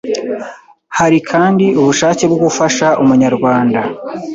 Hari kandi ubushake bwo gufasha Umunyarwanda